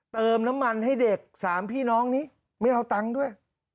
เติมน้ำมันให้เด็ก๓พี่น้องนี้ไม่เอาตังค์ด้วย